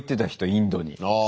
インドに。